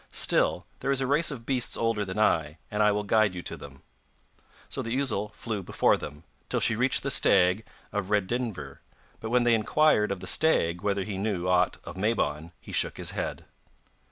Still, there is a race of beasts older than I, and I will guide you to them.' So the ousel flew before them, till she reached the stag of Redynvre; but when they inquired of the stag whether he knew aught of Mabon he shook his head.